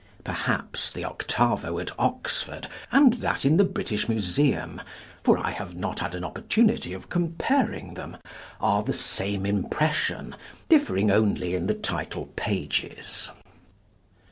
Perhaps the 8vo at Oxford and that in the British Museum (for I have not had an opportunity of comparing them) are the same impression, differing only in the title pages.